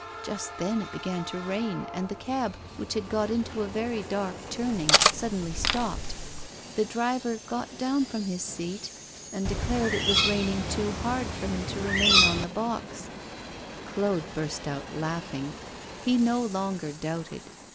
Just then it began to rain, and the cab, which had got into a very dark turning, suddenly stopped. The driver got down from his seat, and declared it was raining too hard for him to remain on the box ' Claude burst out laughing. He no longer doubted.